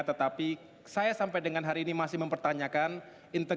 tetapi saya sampai dengan hari ini masih mempertanyakan